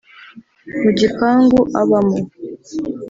Mu gipangu abamo